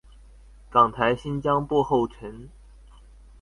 港台新彊步後塵